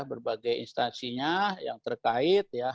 berbagai instansinya yang terkait ya